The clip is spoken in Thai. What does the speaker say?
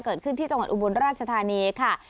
เกิดขึ้นที่จังหวัดอุบลราชธานีค่ะ